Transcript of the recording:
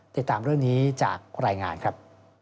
ติดตามเรื่องนี้จากรายงานครับ